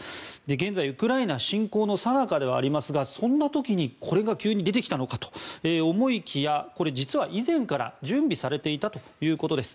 現在、ウクライナ侵攻のさなかではありますがそんな時にこれが急に出てきたのかと思いきや実は以前から準備されていたということです。